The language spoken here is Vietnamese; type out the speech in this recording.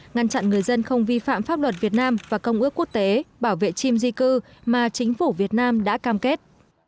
ngăn chặn người dân không vi phạm pháp luật việt nam và công ước quốc tế bảo vệ chim di cư mà chính phủ việt nam đã cam kết